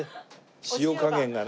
塩加減がね